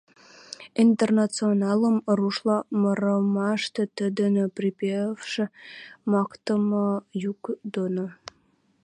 «Интернационалым» рушла мырымашты тӹдӹн припевшӹ мактымы юк доно